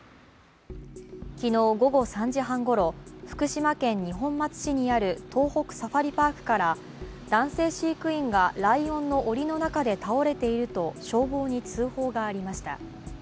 昨日午後３時半ごろ、福島県二本松市にある東北サファリパークから男性飼育員がライオンのおりの中で倒れていると消防に通報がありました。